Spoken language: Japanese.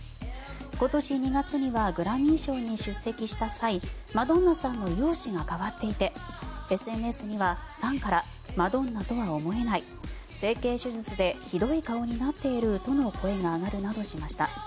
今年２月にはグラミー賞に出席した際にマドンナさんの容姿が変わっていてＳＮＳにはファンからマドンナとは思えない整形手術でひどい顔になっているとの声が上がるなどしました。